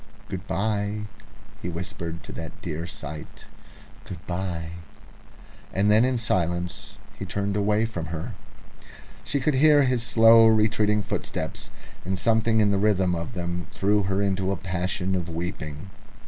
"Good bye!" he whispered at that dear sight, "good bye!" And then in silence he turned away from her. She could hear his slow retreating footsteps, and something in the rhythm of them threw her into a passion of weeping.